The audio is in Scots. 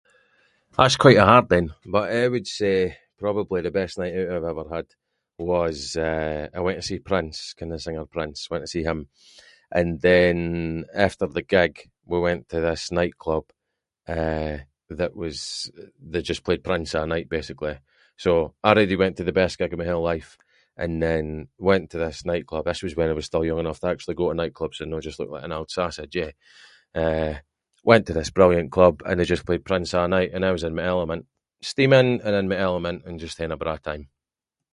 That’s quite a hard ain, but I would say probably the best night oot I’ve ever had was eh, I went to see Prince, ken the singer Prince, went to see him, and then after the gig, we went to this nightclub, eh, that was- they just played Prince a’ night basically. So I’d ready went to the best gig of my hale life, and then went to this nightclub, this was when I was still young enough to actually go to nighclubs and no just look like an old sausage ay. Eh. Went to this brilliant club and they just played Prince a’ night and I was in my element, steaming, and in my element, and just haeing a bra time.